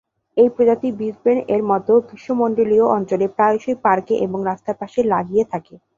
এই প্রজাতি ব্রিসবেন-এর মতো গ্রীষ্মমন্ডলীয় অঞ্চলে প্রায়শই পার্কে এবং রাস্তার পাশে লাগিয়ে থাকে।